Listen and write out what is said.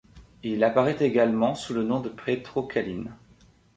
Il apparaît également sous le nom de Petro Kälin.